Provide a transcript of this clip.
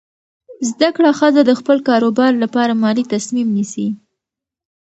زده کړه ښځه د خپل کاروبار لپاره مالي تصمیم نیسي.